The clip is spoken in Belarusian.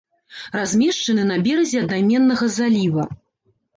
Размешчаны на беразе аднайменнага заліва.